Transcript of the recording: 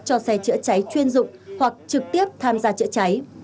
cho xe trợ cháy chuyên dụng hoặc trực tiếp tham gia trợ cháy